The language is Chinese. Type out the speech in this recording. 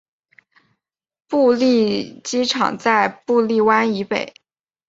布利机场在布利湾以北。